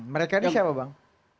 mereka ini siapa bang